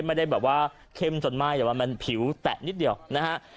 ไม่ได้แบบเข้มส่วนใหม่แต่ว่าผิวแปะนิดเดียวนะฮะ